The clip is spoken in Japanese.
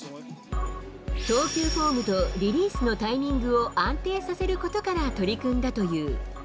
投球フォームとリリースのタイミングを安定させることから取り組んだという。